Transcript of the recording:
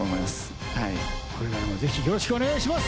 これからもぜひよろしくお願いします！